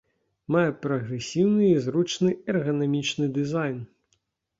Мае прагрэсіўны і зручны эрганамічны дызайн.